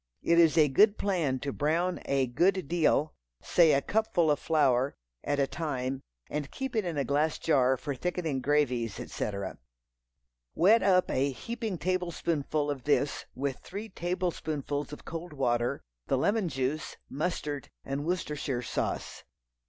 It is a good plan to brown a good deal—say a cupful of flour—at a time, and keep it in a glass jar for thickening gravies, etc. Wet up a heaping tablespoonful of this with three tablespoonfuls of cold water, the lemon juice, mustard and Worcestershire sauce.